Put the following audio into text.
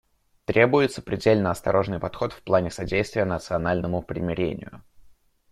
Требуется предельно осторожный подход в плане содействия национальному примирению.